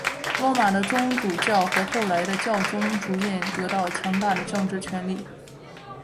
罗马的宗主教和后来的教宗逐渐得到强大的政治权力。